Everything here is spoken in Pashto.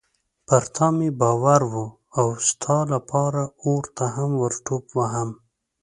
پر تا مې باور و او ستا لپاره اور ته هم ورټوپ وهم.